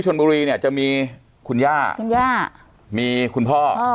ชนบุรีเนี่ยจะมีคุณย่าคุณย่ามีคุณพ่อ